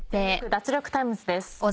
脱力タイムズ』です。